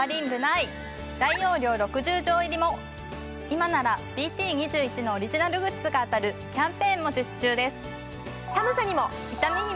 今ならＢＴ２１のオリジナルグッズが当たるキャンペーンも実施中です。